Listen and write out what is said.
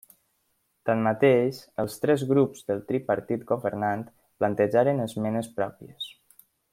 Tanmateix, els tres grups del tripartit governant plantejaren esmenes pròpies.